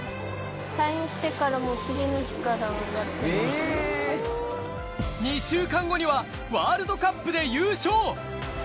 退院してからもう次の日から２週間後には、ワールドカップで優勝。